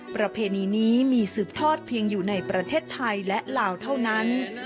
ประเพณีนี้มีสืบทอดเพียงอยู่ในประเทศไทยและลาวเท่านั้น